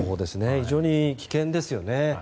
非常に危険ですよね。